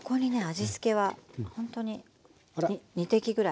味つけはほんとに２滴ぐらい。